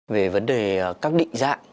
về vấn đề các định dạng